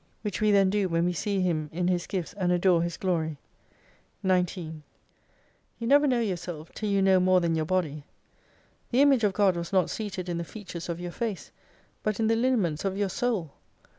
Which we 12 then do when we see Him in His Gifts, and adore His Glory. 19 You never know yourself till you know more than your body. The Image of God was not seated in the features of your face, but in the lineaments of your Soul.